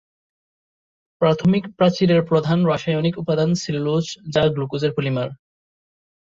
প্রাথমিক প্রাচীরের প্রধান রাসায়নিক উপাদান সেলুলোজ যা গ্লুকোজের পলিমার।